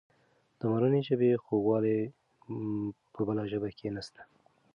د مورنۍ ژبې خوږوالی په بله ژبه کې نسته.